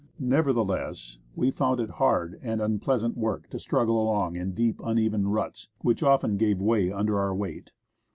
Nevertheless, wc found it hard and unpleasant work to struggle along in deep, uneven ruts, which often gave way under our weight.